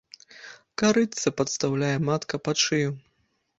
Карытца падстаўляе матка пад шыю.